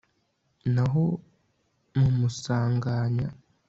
naho mu musanganya